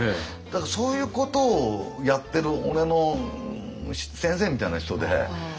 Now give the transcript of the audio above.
だからそういうことをやってる俺の先生みたいな人で。